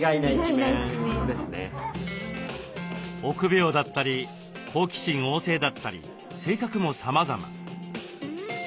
臆病だったり好奇心旺盛だったり性格もさまざま。